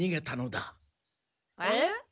えっ？